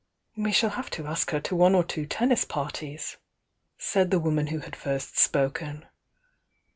"We shall have to ask her to one or two tennis parties," said the woman who had first spoken.